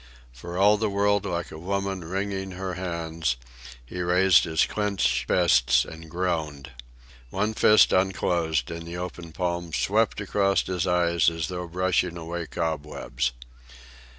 For all the world like a woman wringing her hands, he raised his clenched fists and groaned. One fist unclosed, and the open palm swept across his eyes as though brushing away cobwebs.